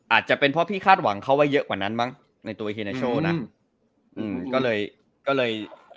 อาจจะเป็นเพราะพี่คาดหวังเขาไว้เยอะกว่านั้นมั้งในตัวเฮนาโชว์นะอืมก็เลยก็เลย